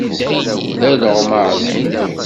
D alɣem aɛeẓẓug.